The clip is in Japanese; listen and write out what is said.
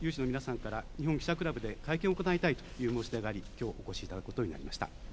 日本記者クラブで会見を行いたいというお申し出があり、きょう、お越しいただくことになりました。